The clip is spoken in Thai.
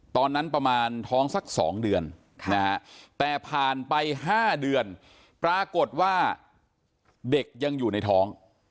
ตอนนั้นประมาณท้องสัก๒เดือนแต่ผ่านไป๕เดือนปรากฏว่าเด็กยังอยู่ในท้อง